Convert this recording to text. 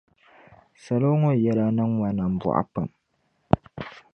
Salo ŋɔ yɛla niŋ ma nambɔɣu pam.